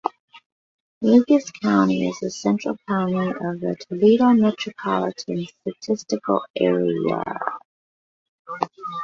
Lucas County is the central county of the Toledo Metropolitan Statistical Area.